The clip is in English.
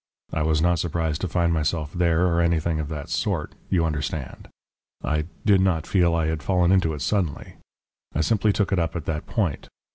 I was not surprised to find myself there or anything of that sort, you understand. I did not feel I had fallen into it suddenly. I simply took it up at that point.